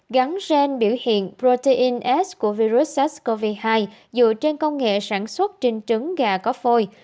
gắn gen biểu hiện protein s của virus sars cov hai dựa trên công nghệ sản xuất trên trứng gà có phôi